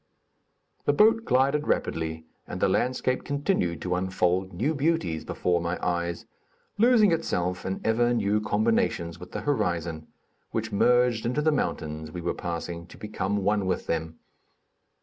The boat glided rapidly and the landscape continued to unfold new beauties before my eyes, losing itself in ever new combinations with the horizon, which merged into the mountains we were passing, to become one with them.